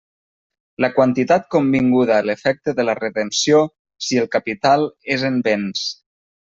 La quantitat convinguda a l'efecte de la redempció, si el capital és en béns.